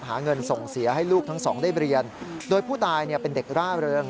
หาเงินส่งเสียให้ลูกทั้งสองได้เรียนโดยผู้ตายเป็นเด็กร่าเริง